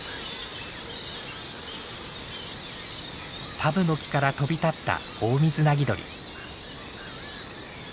タブノキから飛び立ったオオミズナギドリ。